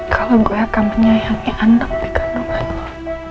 kalau gue akan menyayangi anak di kedua dua